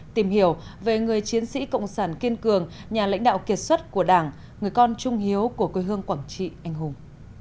tìm hiểu về người chiến sĩ cộng sản kiên cường nhà lãnh đạo kiệt xuất của đảng người con trung hiếu của quê hương quảng trị anh hùng